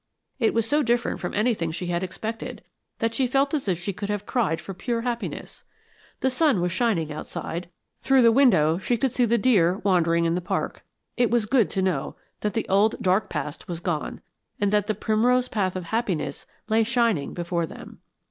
It was so different from anything she had expected, that she felt as if she could have cried for pure happiness. The sun was shining outside; through the window she could see the deer wandering in the park. It was good to know that the old dark past was gone, and that the primrose path of happiness lay shining before them.